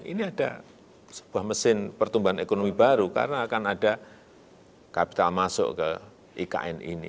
ini ada sebuah mesin pertumbuhan ekonomi baru karena akan ada kapital masuk ke ikn ini